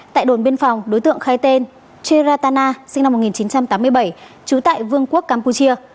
tại đồn biên phòng đối tượng khai tên cherrtana sinh năm một nghìn chín trăm tám mươi bảy trú tại vương quốc campuchia